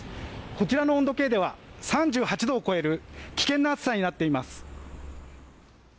こちらの温度計では３８度を超える危険な暑さになっています。